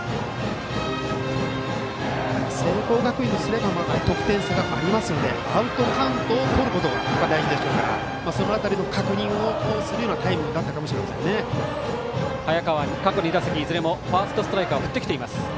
聖光学院とすれば得点差がありますのでアウトカウントをとることが大事でしょうからその辺りの確認をするような早川、過去２打席いずれもファーストストライクは振ってきています。